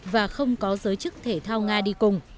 và không có giới chức thể thao nga đi cùng